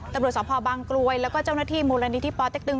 ตำรวจสภบางกลวยแล้วก็เจ้าหน้าที่มูลนิธิปอเต็กตึง